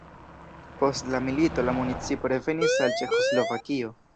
Post la milito la municipo revenis al Ĉeĥoslovakio.